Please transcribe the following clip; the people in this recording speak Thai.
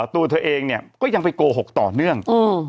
ตัวเธอเองก็ยังไปโคหกต่อเนื่อง